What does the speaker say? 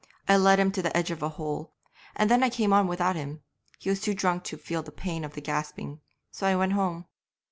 I led him to the edge of a hole, and then I came on without him. He was too drunk to feel the pain of the gasping. So I went home.